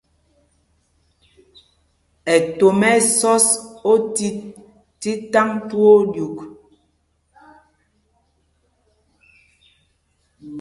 Ɛtom ɛ́ ɛ́ sɔs otit tí taŋ twóó ɗyûk.